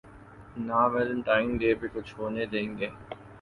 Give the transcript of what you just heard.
نہ Valentine Day پہ کچھ ہونے دیں گے۔